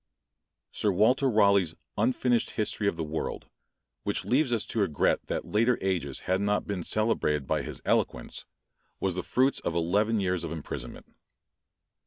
Sir Walter Raleigh's unfinished History of the World, which leaves us to regret that later ages had not been celebrated by his eloquence, was the fruits of eleven years of imprisonment.